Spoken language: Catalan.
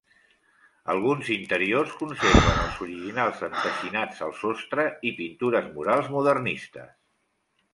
Alguns interiors conserven els originals enteixinats al sostre i pintures murals modernistes.